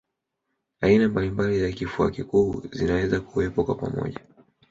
Aina mbalimbali za kifua kikuu zinaweza kuwepo kwa pamoja